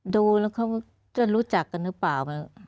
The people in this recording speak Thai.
ดูแล้วเขาจะรู้จักกันหรือเปล่า